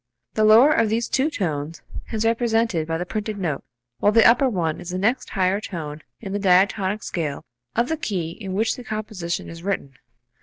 The lower of these two tones is represented by the printed note, while the upper one is the next higher tone in the diatonic scale of the key in which the composition is written.